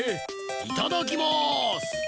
いただきます！